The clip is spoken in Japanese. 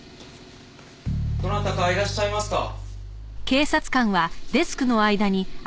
どなたかいらっしゃいますか？